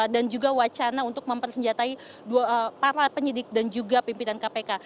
dan juga wacana untuk mempersenjatai para penyidik dan juga pimpinan kpk